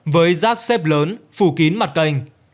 với rác xếp lớn phủ kín mặt kênh